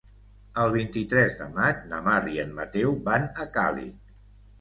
El vint-i-tres de maig na Mar i en Mateu van a Càlig.